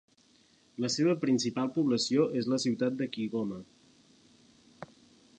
La seva principal població és la ciutat de Kigoma.